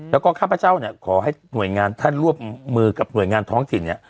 แล้วก็ข้าพเจ้าเนี่ยขอให้หน่วยงานท่านร่วมมือกับหน่วยงานท้องถิ่นเนี่ย